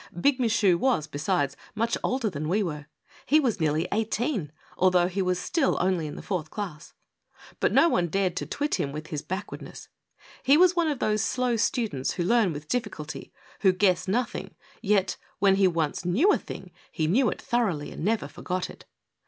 Big Michu was, besides, much older than we were. He was nearly eighteen, although he was still only in the fourth class. But no one dared to twit him with his backwardness. He was one of those slow students, who learn with difficulty, who guess nothing ; yet, when he once knew a thing, he knew it thoroughly and never forgot it.